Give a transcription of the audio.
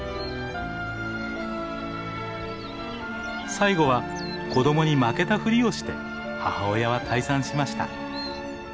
最後は子供に負けたふりをして母親は退散しました。